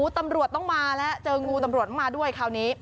ตำรวจต้องมาแล้วเจองูตำรวจต้องมาด้วยคราวนี้